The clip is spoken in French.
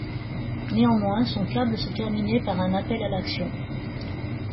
Néanmoins, son câble se terminait par un appel à l'action.